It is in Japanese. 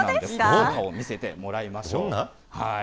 中を見せてもらいましょう。